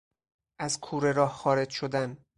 از کوره راه خارج شدن